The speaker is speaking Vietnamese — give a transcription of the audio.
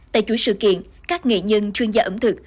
tại chuỗi sự kiện các nghệ nhân chuyên gia ẩm thực